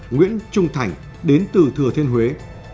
nguyễn trung thành đến từ thừa thiên huế